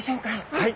はい。